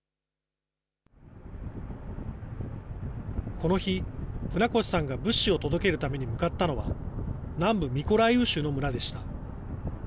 この日、船越さんが物資を届けるために向かったのは、南部ミコライウ州の村でした。